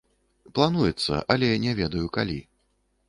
Плануецца, але не ведаю, калі.